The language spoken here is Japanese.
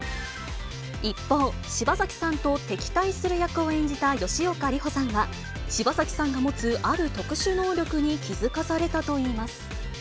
一方、柴咲さんと敵対する役を演じた吉岡里帆さんは、柴咲さんが持つある特殊能力に気付かされたといいます。